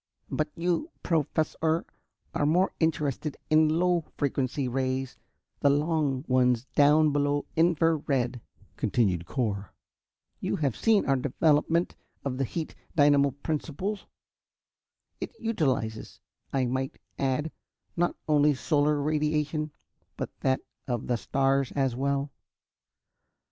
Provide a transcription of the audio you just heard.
"But you, Professor, are more interested in low frequency rays, the long ones down below infra red," continued Cor. "You have seen our development of the heat dynamo principle. It utilizes, I might add, not only solar radiation but that of the stars as well.